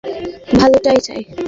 জ্যাকি, সবসময় তোমার ভালোটাই চাই।